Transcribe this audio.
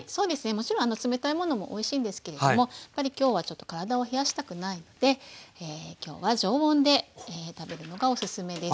もちろん冷たいものもおいしいんですけれどもやっぱり今日はちょっと体を冷やしたくないので今日は常温で食べるのがおすすめです。